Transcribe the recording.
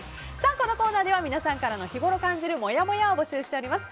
このコーナーでは皆さんの日頃感じるもやもやを募集しております。